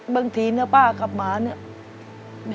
บางทีเนี่ยป้ากลับมาเนี่ย